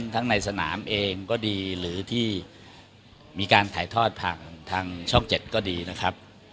ทั้งในสนามเองก็ดีหรือที่มีการถ่ายทอดผ่านทางช่อง๗ก็ดีนะครับ